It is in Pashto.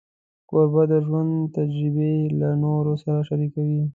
کوربه د ژوند تجربې له نورو سره شریکوي.